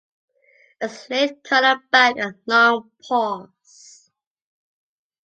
A slate-color back and long paws.